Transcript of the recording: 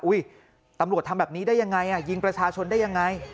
ตำรวจทำแบบนี้ได้ยังไงยิงประชาชนได้ยังไง